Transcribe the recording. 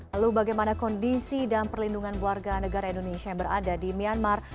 lalu bagaimana kondisi dan perlindungan warga negara indonesia yang berada di myanmar